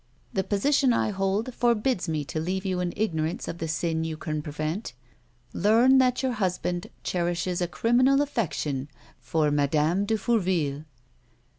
The position I hold forbids me to leave you in ignorance of the siia you can prevent. Learn that your husband cherishes a criminal affection for Madame de Fourville."